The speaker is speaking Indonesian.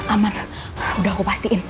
aman udah aku pastiin